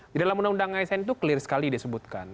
di dalam undang undang asn itu clear sekali disebutkan